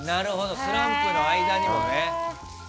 スランプの間にもね。